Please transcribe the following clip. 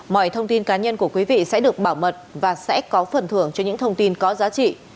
mọi thông tin cá nhân của quý vị sẽ được bảo mật và sẽ có phần thưởng cho những thông tin có giá trị